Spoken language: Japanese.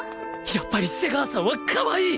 やっぱり瀬川さんはかわいい！